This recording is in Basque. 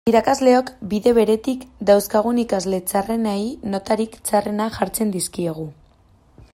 Irakasleok, bide beretik, dauzkagun ikasle txarrenei notarik txarrenak jartzen dizkiegu.